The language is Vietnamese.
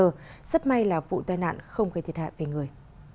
rất may là vụ tai nạn không gây thiệt hại về người